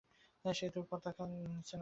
সেতুর পতাকা নিচে নামানো।